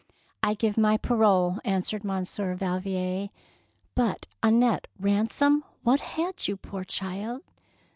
"I give my parole,'^ answered Mon sieur Valvier; "but, Annette, ransom — what had you, poor child?